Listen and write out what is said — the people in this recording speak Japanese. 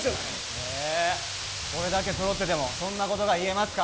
へえこれだけ揃っててもそんなことが言えますか？